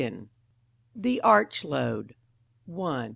THE ARCH LOAD. § I.